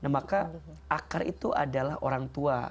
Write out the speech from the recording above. nah maka akar itu adalah orang tua